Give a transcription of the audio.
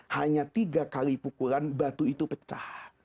hanya tiga kali pukulan batu itu pecah